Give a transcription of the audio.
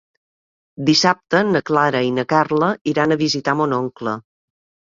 Dissabte na Clara i na Carla iran a visitar mon oncle.